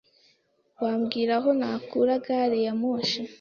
Wambwira aho nakura gari ya moshi?